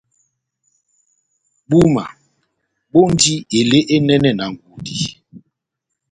Búma bondi elé enɛnɛ na ngudi.